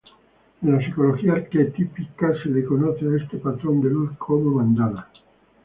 En la psicología arquetípica, se le conoce a este patrón de luz como mandala.